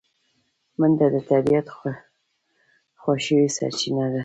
منډه د طبیعي خوښیو سرچینه ده